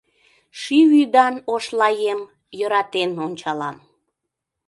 Ший вӱдан Ошлаэм, Йӧратен ончалам.